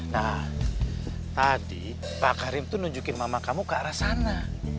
nah tadi pak karim itu nunjukin mama kamu ke arah sana